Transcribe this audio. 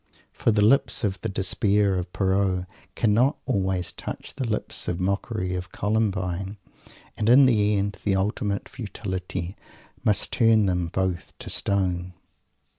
For the lips of the Despair of Pierrot cannot always touch the lips of the Mockery of Columbine; in the end, the Ultimate Futility must turn them both to stone!